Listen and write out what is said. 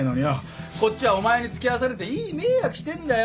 こっちはお前に付き合わされていい迷惑してんだよ。